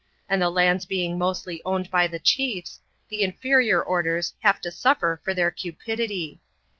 and the lands being mostly owned by the chiefs, the inferior orders have to suffer for their cupidity.